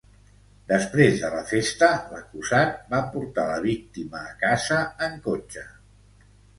Després de la festa l'acusat va portar la víctima a casa en cotxe.